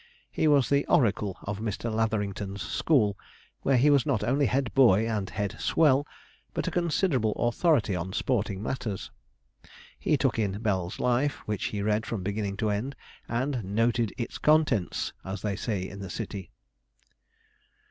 He was the oracle of Mr. Latherington's school, where he was not only head boy and head swell, but a considerable authority on sporting matters. He took in Bell's Life, which he read from beginning to end, and 'noted its contents,' as they say in the city.